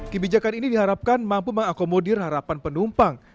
kebijakan ini diharapkan mampu mengakomodir harapan penumpang